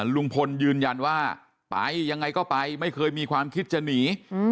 ลุงพลยืนยันว่าไปยังไงก็ไปไม่เคยมีความคิดจะหนี